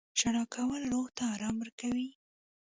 • ژړا کول روح ته ارام ورکوي.